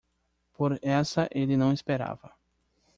Por essa ele não esperava.